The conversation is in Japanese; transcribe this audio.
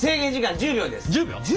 １０秒！？